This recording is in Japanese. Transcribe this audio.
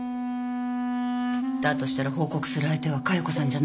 だとしたら報告する相手は加代子さんじゃない。